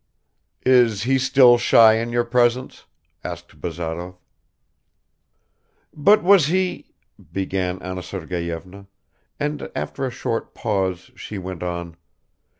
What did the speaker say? "Is he still shy in your presence?" asked Bazarov. "But was he ..." began Anna Sergeyevna, and after a short pause she went on.